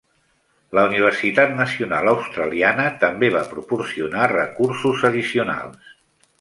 La Universitat Nacional Australiana també va proporcionar recursos addicionals.